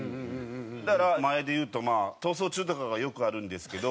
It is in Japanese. だから前で言うと『逃走中』とかがよくあるんですけど。